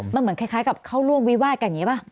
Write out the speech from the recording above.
มันเหมือนคล้ายกับเขาร่วมวิวาดกันอย่างนี้ป่ะ